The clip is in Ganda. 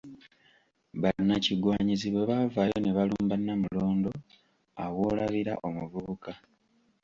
Bannakigwanyizi bwe bavaayo ne balumba Namulondo awo w'olabira omuvubuka.